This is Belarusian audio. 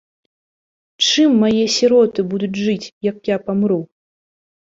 Чым мае сіроты будуць жыць, як я памру?